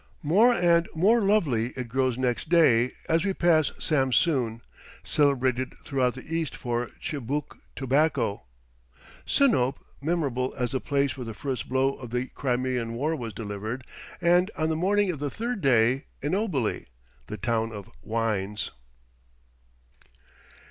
More and more lovely it grows next day, as we pass Samsoon, celebrated throughout the East for chibouque tobacco; Sinope, memorable as the place where the first blow of the Crimean War was delivered; and, on the morning of the third day, Ineboli, the "town of wines."